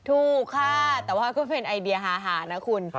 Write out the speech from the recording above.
ถูกค่ะแต่ว่าก็เป็นไอเดียฮาหานะคุณ